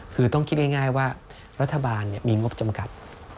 คือต้องคิดง่ายว่ารัฐบาลมีงบจำกัด